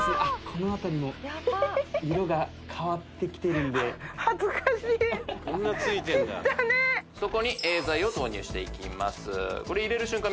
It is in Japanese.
このあたりも色が変わってきてるんでそこにＡ剤を投入していきます入れる瞬間